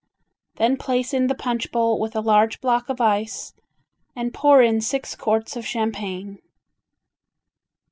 Then place in the punch bowl with a large block of ice, and pour in six quarts of champagne.